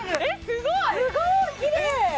すごいきれい！